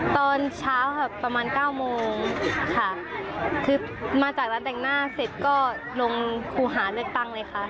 ตอนเช้าค่ะประมาณเก้าโมงค่ะคือมาจากร้านแต่งหน้าเสร็จก็ลงครูหาเลือกตั้งเลยค่ะ